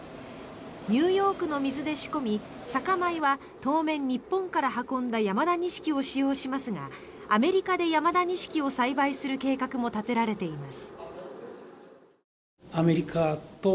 ニューヨークの水で仕込み酒米は当面、日本から運んだ山田錦を使用しますがアメリカで山田錦を栽培する計画も立てられています。